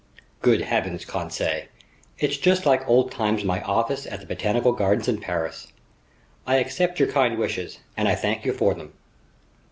"Good heavens, Conseil, it's just like old times in my office at the Botanical Gardens in Paris! I accept your kind wishes and I thank you for them.